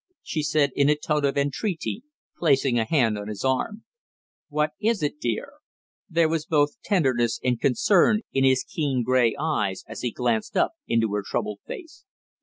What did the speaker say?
she said in a tone of entreaty, placing a hand on his arm. "What is it, dear?" There was both tenderness and concern in his keen gray eyes as he glanced up into her troubled face.